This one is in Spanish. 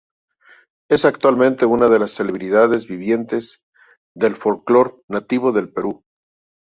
Es actualmente una de la celebridades vivientes del folclore nativo del Perú.